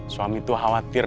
suami tuh khawatir